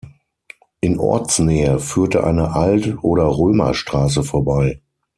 In Ortsnähe führte eine Alt- oder Römerstraße vorbei.